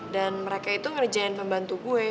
mereka itu ngerjain pembantu gue